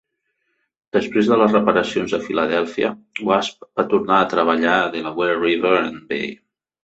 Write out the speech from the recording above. Després de les reparacions a Philadelphia, "Wasp" va tornar a treballar a Delaware River and Bay.